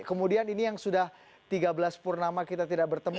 kemudian ini yang sudah tiga belas purnama kita tidak bertemu